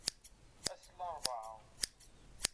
Ass n larebɛa.